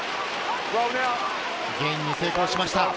ゲインに成功しました。